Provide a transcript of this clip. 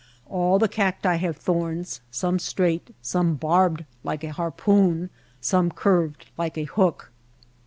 All the cacti have thorns, some straight, some barbed like a harpoon, some curved like a hook.